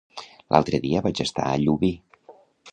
L'altre dia vaig estar a Llubí.